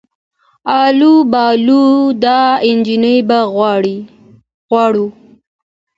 آلو بالو دا انجلۍ به غواړو